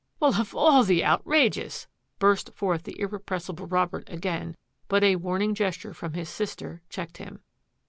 " Well, of all the outrageous —" burst forth the irrepressible Robert again, but a warning ges ture from his sister checked him.